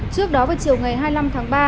trước đó vào chiều ngày hai mươi năm tháng ba